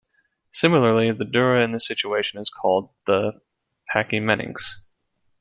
Similarly, the dura in this situation is called the pachymeninx.